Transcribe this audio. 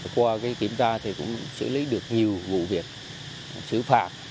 qua kiểm tra thì cũng xử lý được nhiều vụ việc xử phạt